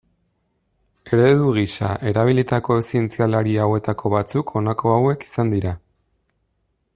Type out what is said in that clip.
Eredu gisa erabilitako zientzialari hauetako batzuk honako hauek izan dira.